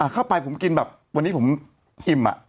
เข้าไปผมกินแบบวันนี้ผมอิ่ม